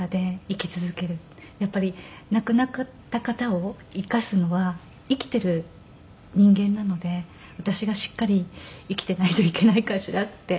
やっぱり亡くなった方を生かすのは生きている人間なので私がしっかり生きていないといけないかしらって思いました。